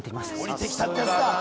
「おりてきた」ってやつだ